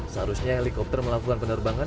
seharusnya helikopter melakukan penerbangan